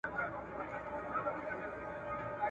خان سهار وو نوی آس مډال ګټلی ..